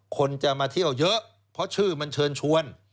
คนจะมาเที่ยวเยอะเพราะชื่อมันเชิญชวน